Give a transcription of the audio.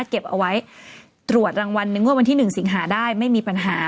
ตรวจรางวัลนึงว่าวันที่๑สิงหาได้ไม่มีปัญหา